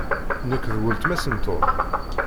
Nekk d weltma-s n Tom.